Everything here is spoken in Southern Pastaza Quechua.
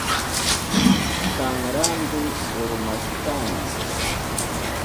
Kanranti urmashkani.